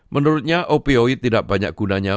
menurutnya opioid tidak banyak gunanya